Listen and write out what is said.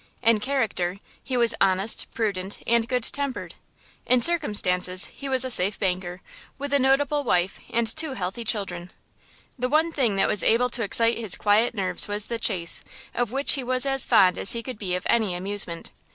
In character, he was honest, prudent and good tempered. In circumstances he was a safe banker, with a notable wife and two healthy children. The one thing that was able to excite his quiet nerves was the chase, of which he was as fond as he could be of any amusement.